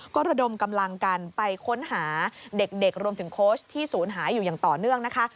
ก็ระดมกำลังกันไปค้นหาเด็กรวมถึงโค้ชที่ศูนย์หายอยู่อย่างต่อเนื่องนะคะ